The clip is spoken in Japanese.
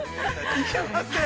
いけません。